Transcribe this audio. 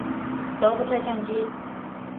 罗伯特像机。